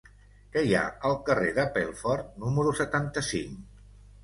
Què hi ha al carrer de Pelfort número setanta-cinc?